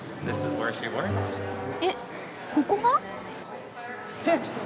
えっここが？